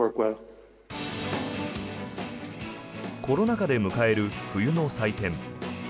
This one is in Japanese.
コロナ禍で迎える冬の祭典。